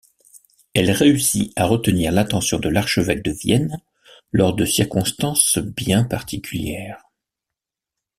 Elle réussit à retenir l'attention de l'archevêque de Vienne lors de circonstances bien particulières.